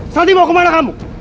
santi mau kemana kamu